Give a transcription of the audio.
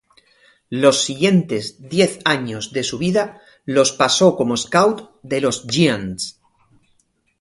Los siguientes diez años de su vida los pasó como scout de los Giants.